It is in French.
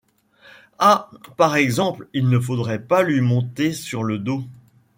Ah ! par exemple, il ne faudrait pas lui monter sur le dos.